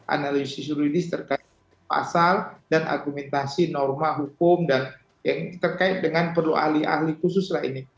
analisis juridis terkait pasal dan argumentasi norma hukum dan yang terkait dengan perlu ahli ahli khusus lah ini